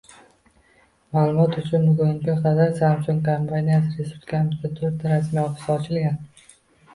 Maʼlumot uchun, bugunga qadar “Samsung” kompaniyasining respublikamizda to‘rtta rasmiy ofisi ochilgan.